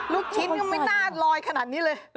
ลูกชิ้นก็ไม่น่าลอยขนาดนี้เลย